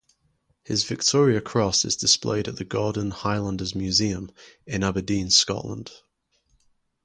His Victoria Cross is displayed at the Gordon Highlanders Museum in Aberdeen, Scotland.